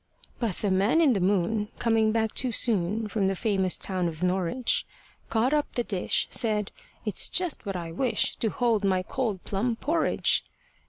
But the man in the moon, Coming back too soon From the famous town of Norwich, Caught up the dish, Said, "It's just what I wish To hold my cold plum porridge!"